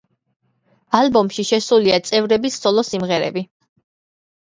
ალბომში შესულია წევრების სოლო სიმღერები.